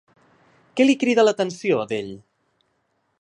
Què li crida l'atenció d'ell?